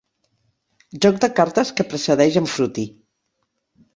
Joc de cartes que precedeix en ”Fruti”.